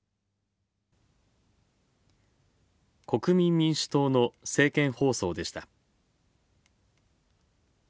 国民民主党の政見放送でした。